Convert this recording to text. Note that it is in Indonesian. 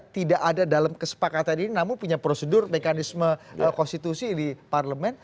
tidak ada dalam kesepakatan ini namun punya prosedur mekanisme konstitusi di parlemen